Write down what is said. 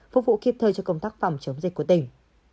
phục vụ kịp thời cho công tác phòng chống dịch của tỉnh